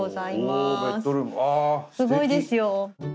すごいですよ。